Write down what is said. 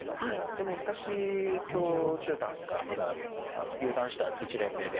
でも昔許十段がまだ入段した１年目で。